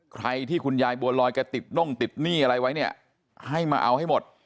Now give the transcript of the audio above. ใครที่คุณยายบัวลอยแกติดน่งติดหนี้อะไรไว้เนี่ยให้มาเอาให้หมด